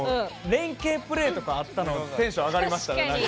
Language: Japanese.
連係プレーとかあったのテンション上がりましたね。